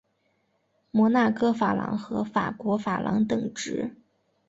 摩纳哥法郎和法国法郎等值。